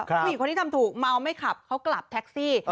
ผู้หญิงคนที่ทำถูกเมาไม่ขับเขากลับแท็กซี่